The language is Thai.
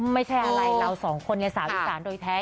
ไม่ใช่อะไรเราสองคนในสาวอีสานโดยแท้